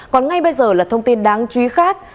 còn ngay bây giờ là thông tin đáng chú ý khác